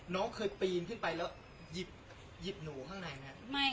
น้องเคยปีนขึ้นไปแล้วหยิบหนูข้างในไหม